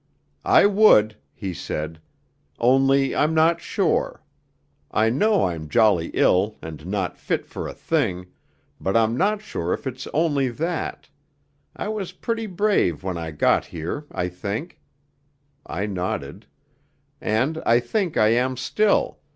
'I would,' he said, 'only I'm not sure ... I know I'm jolly ill, and not fit for a thing ... but I'm not sure if it's only that ... I was pretty brave when I got here, I think' (I nodded), 'and I think I am still